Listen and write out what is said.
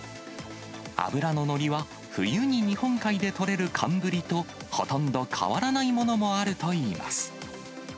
脂ののりは冬に日本海で取れる寒ブリとほとんど変わらないものもあるといいます。